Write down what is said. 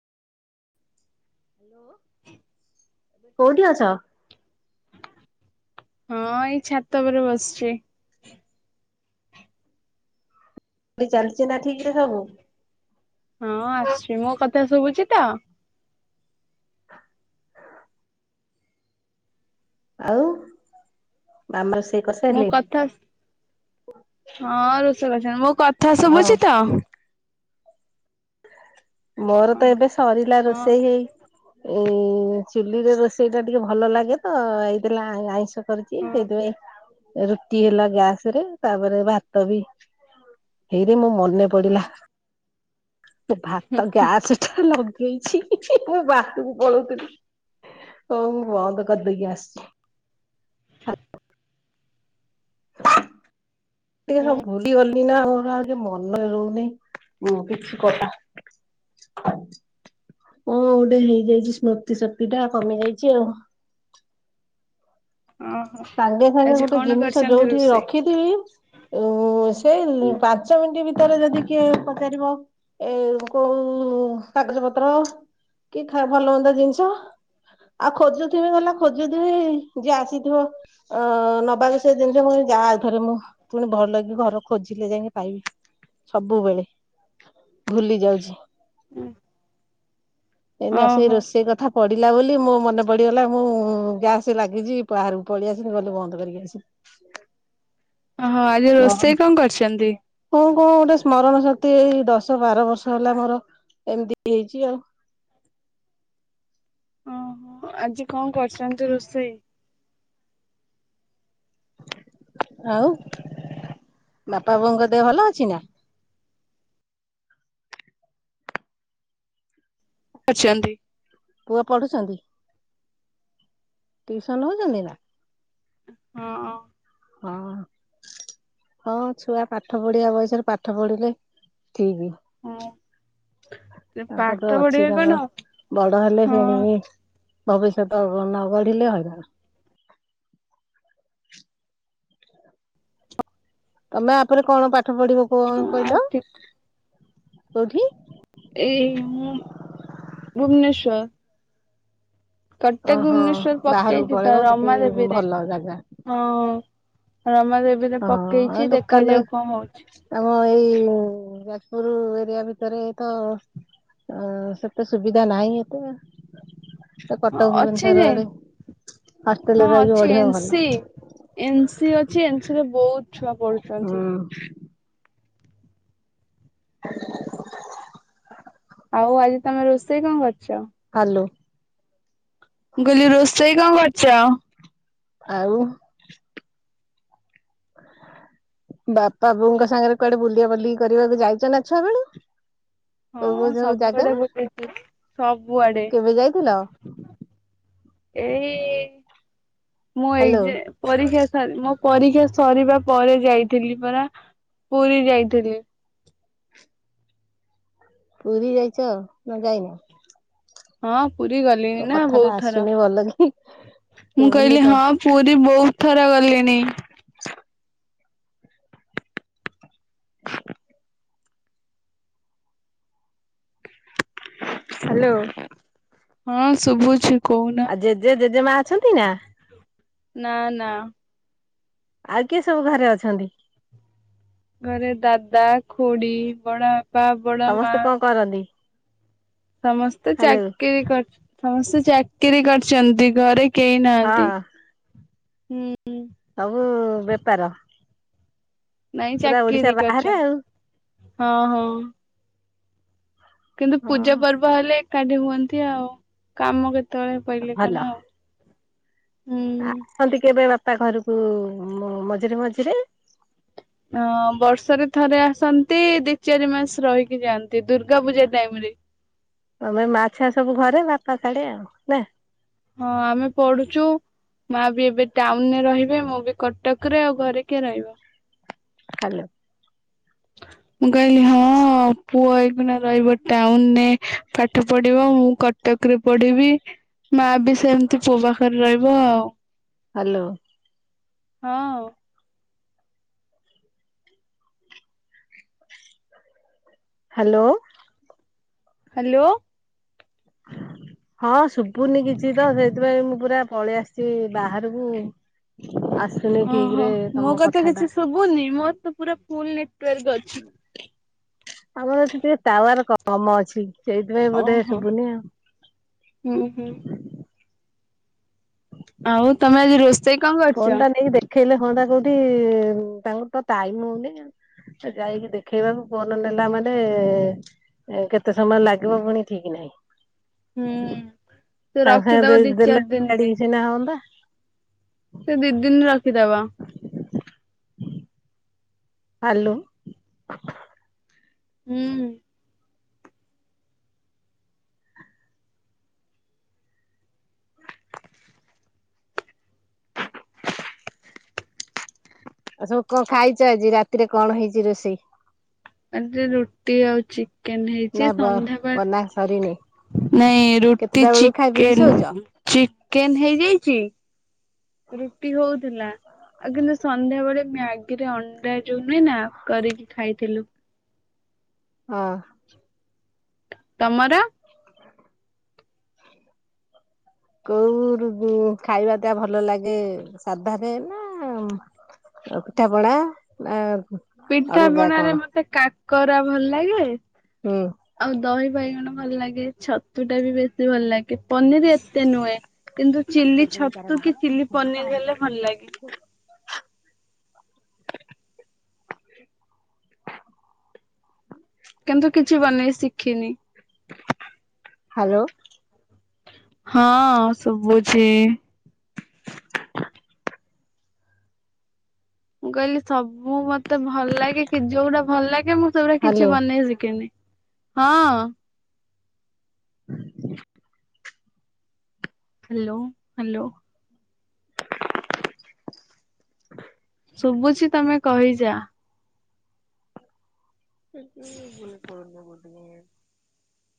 Hello. କୋଉଠି ଅଛ? ହଁ ଏଇ ଛାତ ଉପରେ ବସିଚି। ଚାଲିଚି ନା ଠିକ୍ ରେ ସବୁ? ହଁ ଆସୁଚି ମୋ କଥା ଶୁଭୁଚି ତ? ଆଉ ବାମ ସେ ମୋ କଥା। ହଁ ରୋଷେଇ କରିସାରିଲିଣି ମୋ କଥା ହଁ ଶୁଭୁଛି ତ? ମୋର ତ ଓହୋ ଏବେ ସରିଲା ହଁ ରୋଷେଇ ହେଇ। ଏଇ ଚୁଲିରେ ରୋଷେଇଟା ଟିକେ ଭଲଲାଗେ ତ ହେଇଥିଲା ଆଇଁଷ। କରିଚି ହଁ ସେଇଥିପାଇଁ ରୁଟି ହେଲା ଗ୍ୟାସ୍ ରେ ତାପରେ ଭାତ ବି ହେଇରେ ମୋ ମନେ ପଡିଲା ଭାତ ଗ୍ୟାସ୍ ଟା ଲ ହେଇଛି ବାଥରୁମ୍ କୁ ପଳୋଉଥିଲି ହଉ ମୁଁ ବନ୍ଦ କରିଦେଇକି ଆସୁଚି। ଟିକେ ହୁଁ ସବୁ ଭୁଲି ଗଲି। ଏଇନା ମୋର ଆଉ ଟିକିଏ ମନରେ ରହୁନେହିଁ କିଛି କଥା। କଁ ଓଟେ ହେଇଯାଇଚି ସ୍ମୃତିଶକ୍ତିଟା କମିଯାଇଚି ଆଉ। ଓହୋ। ସାଙ୍ଗେ ସାଙ୍ଗେ ଆଜି ଗୋଟେ କଣ ଜିନିଷ କରିଛନ୍ତି ଯୋଉଠି ରୋଷେଇ ରଖିଥିବି।, ଓ ସେ ପାଞ୍ଚ ମିନିଟ୍ ଭିତରେ ଯଦି କିଏ ପଚାରିବ ଏ କୋଉ କାଗଜ ପତ୍ର। କିଏ ଖାଆ ଭଲ ମନ୍ଦ ଜିନିଷ ଆଉ ଖୋଜୁଥିବି ଗଲା ଖୋଜୁଥିବି ଯିଏ ଆସ ହେଇଥିବ ଅ ନବାକୁ ସେ ଜିନିଷ ଯାଆ ଆଉଥରେ ମୁଁ। ପୁଣି ଭଲକି ଘର ଖୋଜିକି ଯାଇକି ପାଇବି ସବୁବେଳେ। ଭୁଲି ଯାଉଛି। ହୁଁ। ଏଇନା ସେଇ ରୋଷେଇ କଥା। ପଡିଲା ବୋଲି ମୋ ମନେ ପଡିଗଲା ମୁଁ ଗ୍ୟାସ୍ ଲାଗିଚି ବାହାରକୁ ପଳି ଆସିଲି ଗଲି ବନ୍ଦ କରିକି ଆସିନି। ଓହୋ ଆଜିର ସ୍ମରଣ ରୋଷେଇ କଣ କରିଚନ୍ତି? କଣ କଣ ଗୋଟେ ସ୍ମରଣ ଶକ୍ତି ଏଇ ଦଶ ବାର ବର୍ଷ ହେଲା ମୋର ଏମିତି ହେଇଚି ଆଉ। ଓହୋ ଆଜି କଣ କରିଚନ୍ତି ରୋଷେଇ? ଆଉ ବାପା ବୋଉଙ୍କ ଦେହ ଭଲ ଅଛି ନା? ଅଛନ୍ତି। ପୁଅ ପଢ଼ୁଛନ୍ତି? ଟିଉସନ୍ ହୋଉଚନ୍ତି ନା? ହଁ। ହଁ। ହଁ ଛୁଆ ପାଠ ପଢିଆ ବୟସରେ ପାଠ ପଢିଲେ ଠିକ୍। ହଁ ତାଙ୍କର ପାଠ ତ ଅଛି ପଢିବେ କଣ ତାଙ୍କର ବଡ ହେଲେ କିଣିବି ହଁ ଭବିଷ୍ୟତ ନ ଗଢିଲେ ହଇରାଣ। ତମେ ଆପରେ କଣ ପାଠ ପଢିବ କଣ ଆଉ କହିଲ କୋଉଠି? ଏଇ ମୁଁ ଭୁବନେଶ୍ଵର। କଟକ, ଓହୋ ଭୁବନେଶ୍ଵର ବାହାରକୁ ପକେଇଚି ତ ପଳେଇବ ସେଠି ରମା ଦେବୀରେ। ଭଲ ଜାଗା ହଁ, ରମାଦେବୀରେ ହଁ ପକେଇଚି ଲୋକାଲ ଦେଖାଯାଉ କଣ ହଉଚି। ଆମ ଏଇ ଯାଜପୁର ଏରିଆ ଭିତରେ ତ ଅ ସେତେ ସୁବିଧା ନାହିଁ ଏତେ ଆଉ। ସେ ହଁ କଟକ ଅଛି ଭୁବନେଶ୍ଵର ଯେ ଆଡେ ହଷ୍ଟେଲରେ ରହିକି ପଢ଼ିବ ଭଲ। ଏନ ସି ଅଛି ଏନ ସି ରେ ବହୁତ୍ ଛୁଆ ପଡୁଚ ହଁ। ଆଉ ଆଜି ତମେ ରୋଷେଇ କଣ କରିଚ? ହାଲୋ। ମୁଁ କହିଲି ରୋଷେଇ କଣ କରିଚ? ଆଉ ବାପା ବୋଉଙ୍କ ସାଙ୍ଗରେ କୁଆଡେ ବୁଲିଆ ବୁଲି କରିବାକୁ ଯାଇଚ ନା ଛୁଆ ବେଳୁ? କୋଉ କୋଉ ହଁ ସବୁ ଜାଗା ସବୁଆଡେ ବୁଲିଛି ସବୁଆଡେ କେବେ ଯାଇଥିଲ? ଏଇ ମୁଁ ହାଲୋ ଏକ୍ସ ପରୀକ୍ଷା ସ ମୋ ପରୀକ୍ଷା ସରିବା ପରେ ଯାଇଥିଲି ପରା ପୁରୀ ଯାଇଥିଲି। ପୁରୀ ଯାଇଚ ନା ଯାଇନ? ହଁ ପୁରୀ ତୋ ଗଲିଣି ନା କଥା ଟା ବହୁତ୍ ଥର। ଆସୁନି ଭଲ କି ମୁଁ ଶୁଭୁନି କହିଲି ତ ହଁ ପୁ ବହୁତ୍ ଥର ଗଲିଣି। ହ୍ୟାଲୋ। ହଁ ଶୁଭୁଛି। କହୁନ। ଆ ଜେଜେ ଜେଜେମା ଅଛନ୍ତି ନା? ନା ନା। ଆଉ କିଏ ସବୁ ଘରେ ଅଛନ୍ତି? ଘରେ ଦାଦା, ଖୁଡି, ବଡ ବାପା। ବଡ ମା ସମସ୍ତେ କଣ କରନ୍ତି? ସମସ୍ତେ ହାଲୋ ଚାକିରି କରି, ସମସ୍ତେ ଚାକିରି କରିଚନ୍ତି ଘରେ କେହି ହଁ ନାହାନ୍ତି, ହୁଁ। ସବୁ ବେପାର? ନାଇଁ ପୁରା ଓଡିଶା ଚାକିରି ବାହାରେ ଆଉ। କରିଚନ୍ତି। ହଁ ହଁ। କିନ୍ତୁ ପୂଜା ହଁ ପର୍ବ ହେଲେ ଏକାଠି ହୁଅନ୍ତି ଆଉ। କାମ କେତେ ତଳେ ପଇଲେ ଭଲ କଣ ଆଉ। ହୁଁ। ଆସନ୍ତି କେବେ ବାପା ଘରୁକୁ ମଝିରେ ମଝିରେ? ହଁ ବର୍ଷରେ ଥରେ ଆସନ୍ତି ଦି ଚାରି ମାସ ରହିକି ଯାଆନ୍ତି ଦୁର୍ଗା ପୂଜା ଟାଇମ୍ ରେ। ତମେ ମା ଛୁଆ ସବୁ ଘରେ ବାପା ସାଡେ ଆଉ ନା? ହଁ ଆମେ ପଢୁଚୁ। ମା ବି ଏବେ ଟାଉନରେ ରହିବେ, ମୁଁ ବି କଟକ ରେ ଆଉ ଘରେ କିଏ ରହିବ। ହ୍ୟାଲୋ। [unintelligible] ମୁଁ କହିଲି ହଁ ପୁଅ ଏଇକୁନା ରହିବ ଟାଉନରେ ପାଠ ପଢିବ ମୁଁ ଟକରେ ପଡିବି ମା ବି ସେମିତି ପୁଅ ପାଖରେ ରହିବ ଆଉ ହ୍ୟାଲୋ। ହଁ। ହ୍ୟାଲୋ। ହ୍ୟାଲୋ। [inaudible] ହଁ ଶୁଭୁନି କିଛି ତ ସେଥିପାଇଁ ମୁଁ ପୁରା ପଳେଇ ଆସିଛି ବାହାରକୁ। ଆସୁନି ଠିକ ରେ ତମ କଥା ଟା ହୁନି ମୋର ତ ପୁରା ଫୁଲ ନେଟୱାର୍ ଅଛି। ଆମର ଏଠି ଟିକେ ଟୱାର କମ ଅଛି। ସେଇଥି ପାଇଁ ବୋଧେ ଓହୋ ଶୁନି ଆଉ। ହୁଁ ହୁଁ। ଆଉ ତମେ ଆଜି ରୋ ଫୋନ ଟା ନେଇକି ଦେଖେଇଲେ ହଅନ୍ତା କୋଉଠି ତାଙ୍କର ତ ଟାଇମ ହଉନି। ଯାଇକି ଦେଖେଇବାକୁ ଫୋନ ନେଲା ମାନେ କେତେ ସମୟ ଲାଗିବ ପୁଣି ଠିକ ନାହିଁ। ହୁଁ ସେ ସାଙ୍ଗେ ସାଙ୍ଗେ ରଖିଦବ ଦି ଦେଲେ ଚାରି ଦିନ ପାଇଁ। [unintelligible] ସେ ଦି ଦିନ ରଖିଦବ। ହାଲୋ। ହୁଁ। ଆଉ ସବୁ କଣ ଖାଇଛ ଆଜି ରାତିରେ କଣ ହେଇଛି ରୋଷେଇ। ରାତିରେ ରୁଟି ଆଉ ଚ ଚେ ହେଇଛି ନା ବ ବନା ସରିନି ସନ୍ଧ୍ୟାବେଳେ ନାଇଁ ରୁଟି କେତେଟା ବେଳକୁ ଖାଇ ପିଇକି ଚିକେନ। ଶୋଉଛ? ଚିକେନ ହେଇଯାଇଛି। ରୁଟି ହଉଥିଲା। ଆଉ କିନ୍ତୁ ସନ୍ଧ୍ୟାବେେଳେ ମ୍ୟାଗିରେ ଅଣ୍ଡା ଯୋଉ ନୁହେଁ ନା କରିକି ଖାଇଥିଲୁ। ହଁ। ତମର। କୋଉ ଖାଇବା ଟ ଭଲ ଲାଗେ ସାଧାରେ ନା ପିଠାପଣା ଆ ପିଠା ପଣାରେ ମତେ କାକରା ଭଲ ଲାଗେ। ହଁ। ଆଉ ଦହି ବାଇଗଣ ଭଲ ଲାଗେ ଛତୁ ଟା ବି ବେଶୀ ଭଲ ଲାଗେ ପନିର ଏତେ ନୁହେ। କିନ୍ତୁ ଚିଲି ଛତୁ କି ଚିଲି ପନିର ହେଲେ ଭଲ ଲାଗେ। କିନ୍ତୁ କିଛି ବନେଇ ଶିଖିନି। ହ୍ୟାଲୋ। ହଁ ଶୁଭୁଛି। ମୁଁ କହିଲି ସବୁ ମତେ ଭଲ ଲାଗେ କି ଯୋଉଟା ଭଲ ଲାଗେ ମୁଁ ଗୁୁରା ହାଲୋ। କିଛି ବନେଇ ଶିଖେନି ହଁ। [inaudible] Hello hello. ଶୁଭୁଛି ତମେ କହିଯା। ହଁ। କରନା ଗୋଟେ ମିନିଟ।